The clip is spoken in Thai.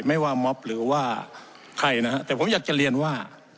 ไม่ว่าม็อบหรือว่าใครนะฮะแต่ผมอยากจะเรียนว่า